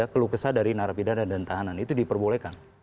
keluh kesah dari narapidana dan tahanan itu diperbolehkan